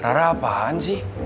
rara apaan sih